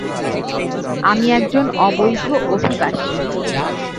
আমি একজন অবৈধ অভিবাসী।